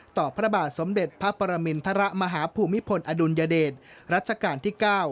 พระบาทสมเด็จพระปรมินทรมาฮภูมิพลอดุลยเดชรัชกาลที่๙